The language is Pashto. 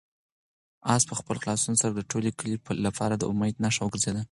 آس په خپل خلاصون سره د ټول کلي لپاره د امید نښه وګرځېده.